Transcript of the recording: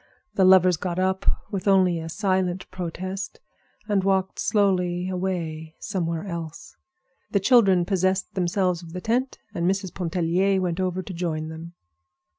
The lovers got up, with only a silent protest, and walked slowly away somewhere else. The children possessed themselves of the tent, and Mrs. Pontellier went over to join them.